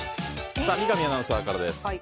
三上アナウンサーからです。